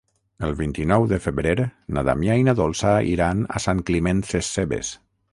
El vint-i-nou de febrer na Damià i na Dolça iran a Sant Climent Sescebes.